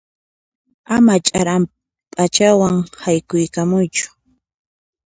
Ama ch'aran p'achawan haykuyamuychu.